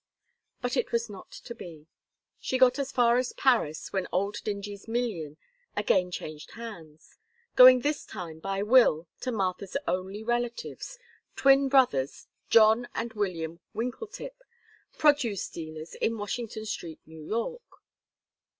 But it was not to be. She got as far as Paris when old Dingee's million again changed hands, going this time by will to Martha's only relatives, twin brothers, John and William Winkletip, produce dealers in Washington street, New York.